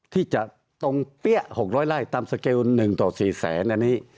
ที่จะตรงเปี้ย๖๐๐ไร่ตามสเกล๑ต่อ๔แสนอันนี้